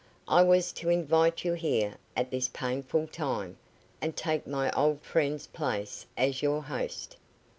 I was to invite you here at this painful time, and take my old friend's place as your host."